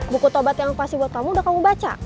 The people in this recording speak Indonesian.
buku tobat yang pasti buat kamu udah kamu baca